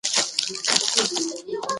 ښوونکی له خپلو شاګردانو سره مرسته کوي.